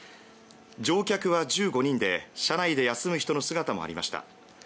乗客は１５人で車内で休む人の姿もありました。